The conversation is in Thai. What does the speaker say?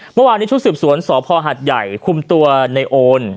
เมื่อวานนี้ชุดสืบสวนสพหัดใหญ่คุมตัวในโอน